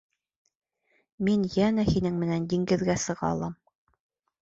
Мин йәнә һинең менән диңгеҙгә сыға алам.